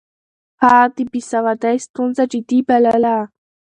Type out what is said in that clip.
هغه د بې سوادۍ ستونزه جدي بلله.